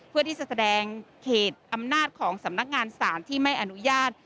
เพื่อที่จะแสดงเขตอำนาจของสำนักงานศาลที่ไม่อนุญาต